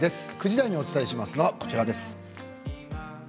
９時台にお伝えするのはこちらです。